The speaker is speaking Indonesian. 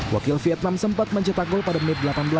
wakil vietnam sempat mencetak gol pada menit delapan belas